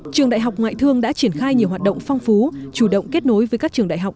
trường đại học ngoại thương đã triển khai nhiều hoạt động phong phú chủ động kết nối với các trường đại học